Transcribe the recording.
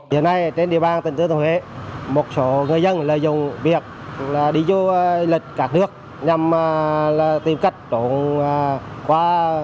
giờ này trên địa bàn tỉnh thừa thuyền huế một số người dân dùng việc đi vô lịch cả nước nhằm tìm cách đổ qua